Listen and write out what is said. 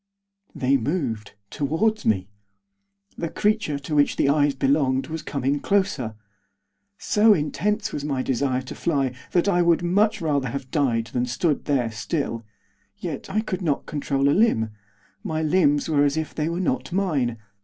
They moved, towards me. The creature to which the eyes belonged was coming closer. So intense was my desire to fly that I would much rather have died than stood there still; yet I could not control a limb; my limbs were as if they were not mine.